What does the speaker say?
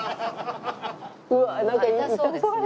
うわっなんか痛そうじゃない？